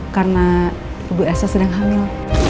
karena ibu elsa sedang hamil